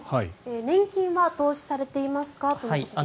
年金は投資されてますか？ということです。